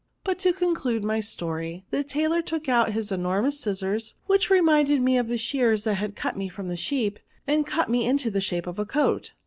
But to conclude my story; the tailor took out his enormous scissors, which reminded me of the shears that had cut me &om the sheep, and cut me into the shape of a coat.